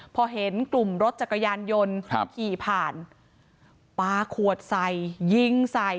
พอเห็นกลุ่มรถจักรยานยนต์ขี่ผ่านปลาขวดใส่ยิงใส่